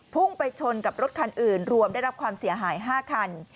พุ่งไปชนกับรถคันอื่นรวมได้รับความเสียหาย๕คัน